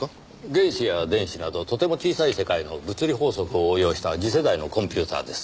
原子や電子などとても小さい世界の物理法則を応用した次世代のコンピューターです。